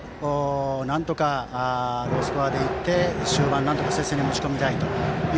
なんとか、ロースコアで行って終盤、接戦に持ち込みたいという